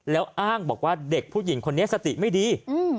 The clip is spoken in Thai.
แล้วอ้างบอกว่าเด็กผู้หญิงคนนี้สติไม่ดี